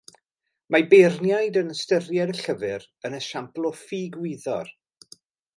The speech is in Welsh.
Mae beirniaid yn ystyried y llyfr yn esiampl o ffugwyddor.